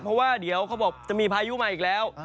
เพราะว่าเดี๋ยวเขาบอกจะมีพายุมาอีกแล้ว